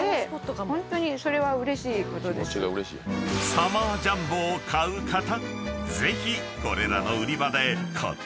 ［サマージャンボを買う方ぜひ］